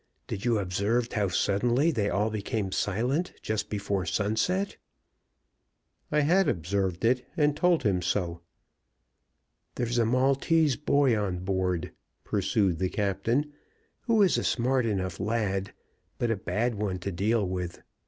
Did you observe how suddenly they all became silent just before sunset?" I had observed it, and told him so. "There's a Maltese boy on board," pursued the captain, "who is a smart enough lad, but a bad one to deal with.